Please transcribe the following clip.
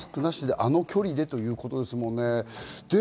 マスクなしで、あの距離でということですもんね。